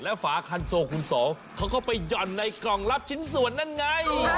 ฝาคันโซคุณสองเขาก็ไปหย่อนในกล่องรับชิ้นส่วนนั่นไง